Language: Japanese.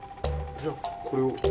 じゃこれを。